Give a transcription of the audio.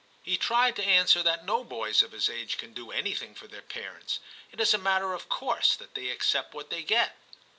He tried to answer that no boys of his age can do any thing for their parents ; it is a matter of course that they accept what they get.